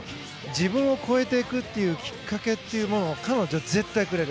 自分を超えていくというきっかけというものを彼女は絶対くれる。